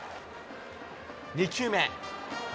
２球目。